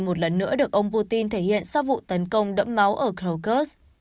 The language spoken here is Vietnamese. một lần nữa được ông putin thể hiện sau vụ tấn công đẫm máu ở krokus